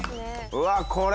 うわっこれ？